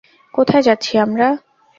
কোথায় যাচ্ছি আমরা?